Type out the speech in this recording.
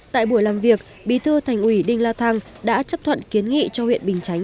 tại buổi làm việc bí thư thành ủy đinh la thăng đã chấp thuận kiến nghị cho huyện bình chánh